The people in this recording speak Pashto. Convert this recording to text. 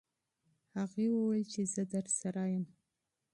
هغې وویل چې زه درسره یم.